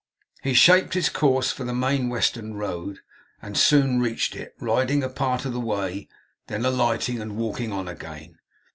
He shaped his course for the main western road, and soon reached it; riding a part of the way, then alighting and walking on again.